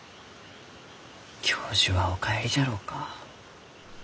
教授はお帰りじゃろうか？